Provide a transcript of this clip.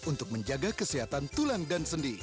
untuk menjaga kesehatan tulang dan sendi